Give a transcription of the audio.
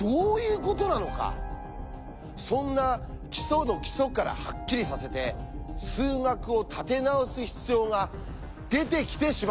そんな基礎の基礎からハッキリさせて数学を立て直す必要が出てきてしまったんです！